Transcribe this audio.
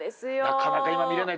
なかなか今見れない。